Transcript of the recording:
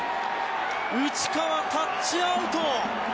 内川タッチアウト。